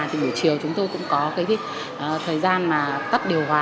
thì buổi chiều chúng tôi cũng có cái thời gian mà tắt điều hòa